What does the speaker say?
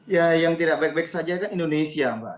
ya yang tidak baik baik saja kan indonesia mbak